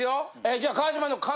じゃあ川島の。